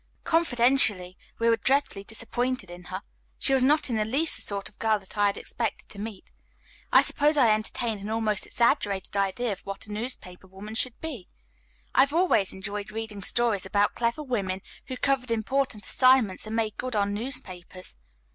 Confidentially, we were dreadfully disappointed in her. She was not in the least the sort of girl that I had expected to meet. I suppose I entertained an almost exaggerated idea of what a newspaper woman should be. I've always enjoyed reading stories about clever women who covered important assignments and made good on newspapers.